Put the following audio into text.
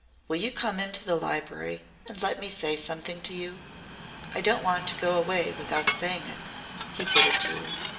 "Will you come into the library and let me say something to you? I don't want to go away without saying it," he put it to her.